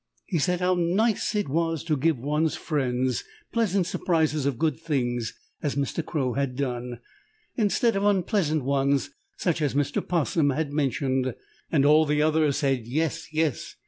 He said how nice it was to give one's friends pleasant surprises of good things as Mr. Crow had done, instead of unpleasant ones such as Mr. 'Possum had mentioned, and all the others said, "Yes, Yes!"